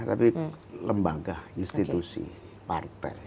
tapi lembaga institusi partai